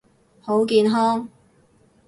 好健康！